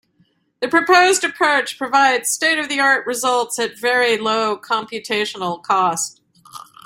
The proposed approach provides state-of-the-art results at very low computational cost.